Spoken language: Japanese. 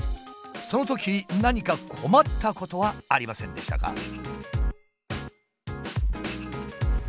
そのとき何か困ったことはありませんでしたか？